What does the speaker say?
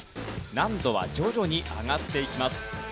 難度は徐々に上がっていきます。